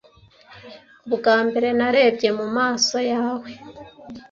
Ubwambere Narebye mumaso yawe ...